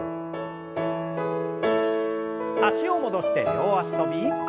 脚を戻して両脚跳び。